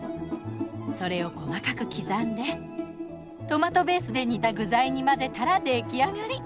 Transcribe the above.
それを細かく刻んでトマトベースで煮た具材に混ぜたら出来上がり。